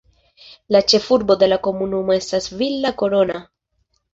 La ĉefurbo de la komunumo estas Villa Corona.